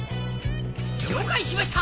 了解しました！